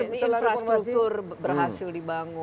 ini infrastruktur berhasil dibangun